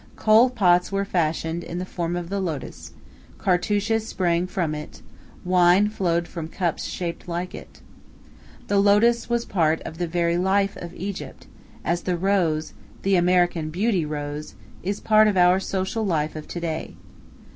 Kohl pots were fashioned in the form of the lotus, cartouches sprang from it, wine flowed from cups shaped like it. The lotus was part of the very life of Egypt, as the rose, the American Beauty rose, is part of our social life of to day.